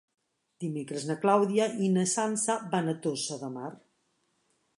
Dimecres na Clàudia i na Sança van a Tossa de Mar.